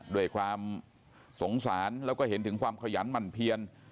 ด้วยความสงสารแล้วก็เห็นถึงความขยันหมั่นเพียน